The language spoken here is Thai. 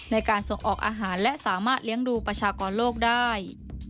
ในการส่งออกอาหารและสามารถเลี้ยงดูประชากรโลกได้